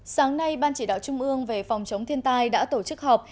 sáng nay ban chỉ đạo trung ương về phòng chống thiên tai đã tổ chức họp